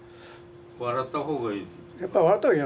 笑った方がいい？